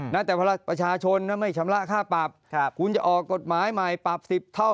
นะแต่ประชาชนไม่ชำระค่าปรับคุณจะออกกฎหมายใหม่ปรับ๑๐เท่า